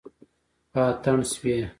په اتڼ شوي